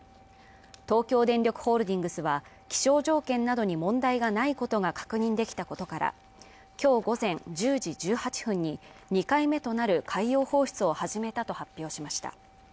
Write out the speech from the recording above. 東京電力ホールディングスは気象条件などに問題がないことが確認できたことから今日午前１０時１８分に２回目となる海洋放出を始めたと発表しました